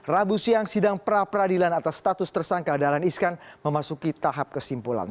rabu siang sidang pra peradilan atas status tersangka dahlan iskan memasuki tahap kesimpulan